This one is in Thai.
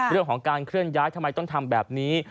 เรื่องของการเคลื่อนย้ายทำไมต้องทำแบบนี้